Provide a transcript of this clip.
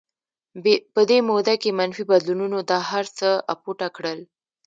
په دې موده کې منفي بدلونونو دا هرڅه اپوټه کړل